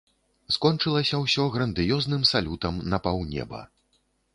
Скончылася ўсё грандыёзным салютам на паўнеба.